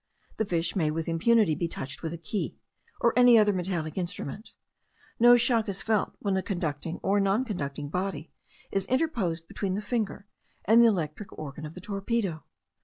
The fish may with impunity be touched with a key, or any other metallic instrument; no shock is felt when a conducting or non conducting body is interposed between the finger and the electrical organ of the torpedo.